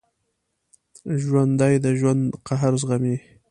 ژوندي د ژوند قهر زغمي